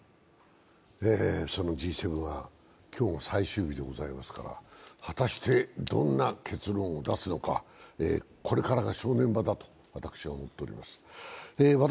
そのＧ７は今日が最終日でございますから、果たして、どんな結論を出すのか、これからが正念場だと私は思っております。